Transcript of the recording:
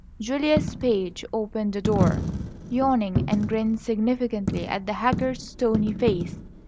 Julia's page opened the door, yawning, and grinned significantly at the haggard, stony face.